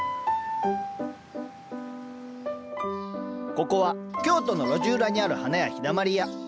ここは京都の路地裏にある花屋「陽だまり屋」。